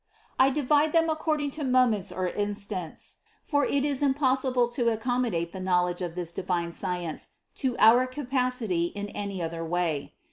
I divide them accord ing to moments or instants, for it is impossible to ac commodate the knowledge of this divine science to our capacity in any other way.